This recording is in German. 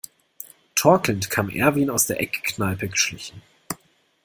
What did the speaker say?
Torkelnd kam Erwin aus der Eckkneipe geschlichen.